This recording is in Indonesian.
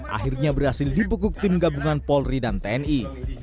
akhirnya berhasil dibekuk tim gabungan polri dan tni